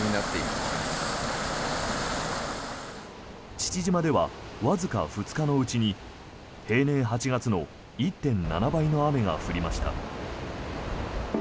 父島ではわずか２日のうちに平年８月の１．７倍の雨が降りました。